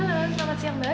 halo selamat siang mbak